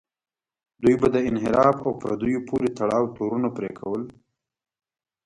دوی به د انحراف او پردیو پورې تړاو تورونه پورې کول.